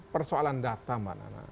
persoalan data mbak nana